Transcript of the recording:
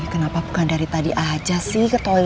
kenapa bukan dari tadi aja sih ke toilet